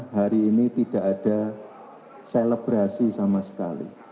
hari ini tidak ada selebrasi sama sekali